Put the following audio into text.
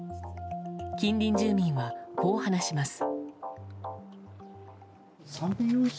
近隣住民は、こう話します。